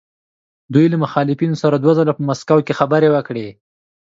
دوی له مخالفینو سره دوه ځله په مسکو کې خبرې وکړې.